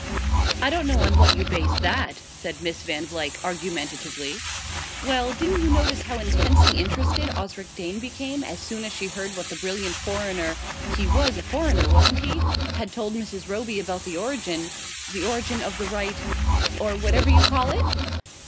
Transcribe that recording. "I don't know on what you base that," said Miss Van Vluyck argumentatively. "Well, didn't you notice how intensely interested Osric Dane became as soon as she heard what the brilliant foreigner he was a foreigner, wasn't he? had told Mrs. Roby about the origin the origin of the rite or whatever you call it?"